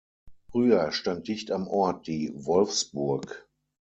Früher stand dicht am Ort die "Wolfsburg".